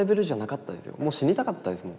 もう死にたかったですもん。